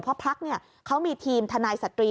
เพราะพักเขามีทีมทนายสตรี